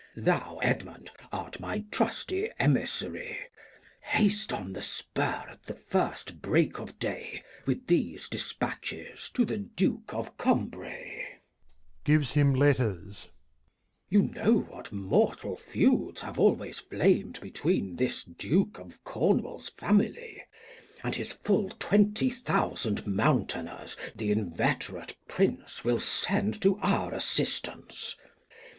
Thou, Edmund, art my trusty Emissary, Haste on the Spur, at the first Break of Day, [Gives him Letters. With these Dispatches to the Duke of Combray ; You know what mortal Feuds have always flam'd Between this Duke of Cornwal's Family, and his ; Full Twenty Thousand Mountaineers Th' inveterate Prince will send to our Assistance.